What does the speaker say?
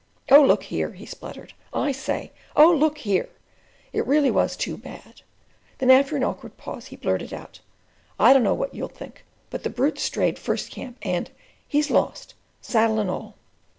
"Oh, look here!" he spluttered, "I say! Oh, look here! It really was too bad!" Then, after an awkward pause, he blurted out, "I don't know what you'll think, but the brute strayed first camp, and—he's lost, saddle and all."